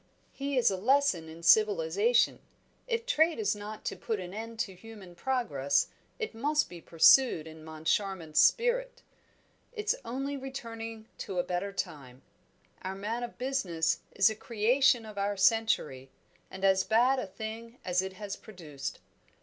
"He is a lesson in civilisation. If trade is not to put an end to human progress, it must be pursued in Moncharmont's spirit. It's only returning to a better time; our man of business is a creation of our century, and as bad a thing as it has produced.